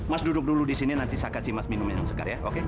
mas duduk dulu disini nanti saka si mas minum yang sekar ya oke